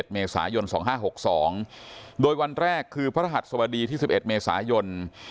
เมษายน๒๕๖๒โดยวันแรกคือพระหัสสบดีที่๑๑เมษายน